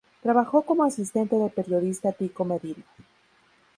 Trabajó como asistente del periodista Tico Medina.